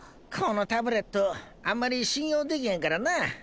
このタブレットあんまり信用できへんからなあ。